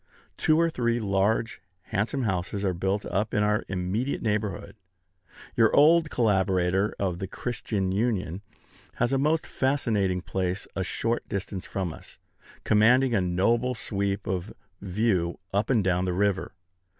Two or three large, handsome houses are built up in our immediate neighborhood. Your old collaborator of "The Christian Union" has a most fascinating place a short distance from us, commanding a noble sweep of view up and down the river.